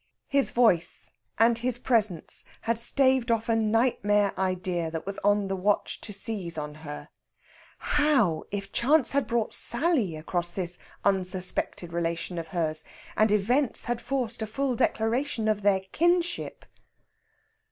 His voice and his presence had staved off a nightmare idea that was on the watch to seize on her how if chance had brought Sally across this unsuspected relation of hers, and events had forced a full declaration of their kinship?